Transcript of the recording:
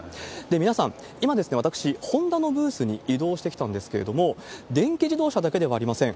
皆さん、今、私、ホンダのブースに移動してきたんですけれども、電気自動車だけではありません。